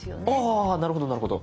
あなるほどなるほど。